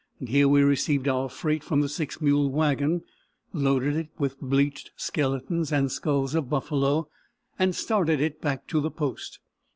Here we received our freight from the six mule wagon, loaded it with bleached skeletons and skulls of buffalo, and started it back to the post.